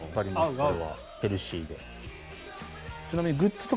ヘルシーで。